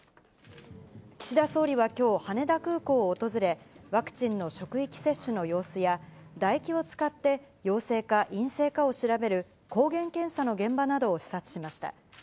岸田総理はきょう、羽田空港を訪れ、ワクチンの職域接種の様子や、唾液を使って陽性か陰性かを調べる抗原検査の現場などを視察しました。